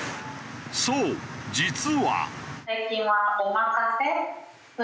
そう実は。